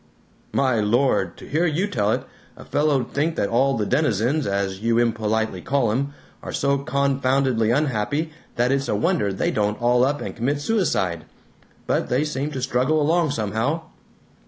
"My Lord, to hear you tell it, a fellow 'd think that all the denizens, as you impolitely call 'em, are so confoundedly unhappy that it's a wonder they don't all up and commit suicide. But they seem to struggle along somehow!"